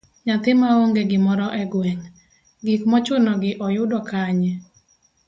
Nyathi maonge gimoro e gweng, gik mochuno gi oyudo kanye?